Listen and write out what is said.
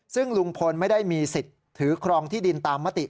ซึ่งลุงพลไม่ได้มีสิทธิ์ถือครองที่ดินตามมติ